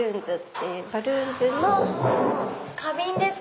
花瓶ですか？